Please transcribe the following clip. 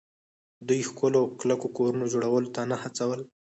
دوی ښکلو او کلکو کورونو جوړولو ته نه هڅول